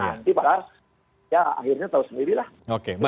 tidak bisa dilanjutin sekiranya tidak hanya